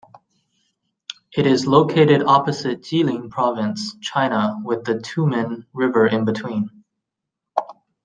It is located opposite Jilin Province, China, with the Tumen River in between.